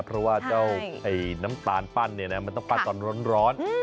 เพราะว่าเจ้าน้ำตาลปั้นเนี่ยนะมันต้องปั้นตอนร้อน